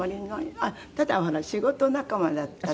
あっただ仕事仲間だったって。